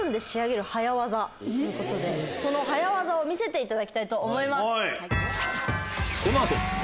その早ワザを見せていただきたいと思います。